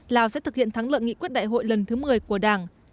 lào sẽ thực hiện thắng lợi nghị quyết đại hội lần thứ một mươi của đảng